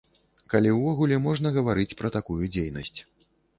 Калі ўвогуле можна гаварыць пра такую дзейнасць.